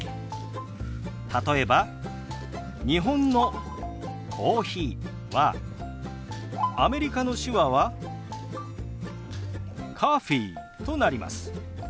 例えば日本の「コーヒー」はアメリカの手話は「ｃｏｆｆｅｅ」となります。